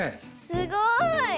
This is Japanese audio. すごい。